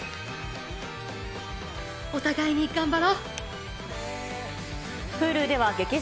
お互いに頑張ろ。